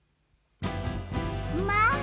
まあ。